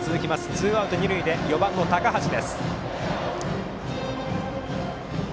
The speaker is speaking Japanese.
ツーアウト、二塁で４番の高橋です。